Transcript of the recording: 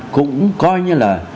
cũng coi như là